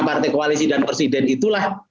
partai koalisi dan presiden itulah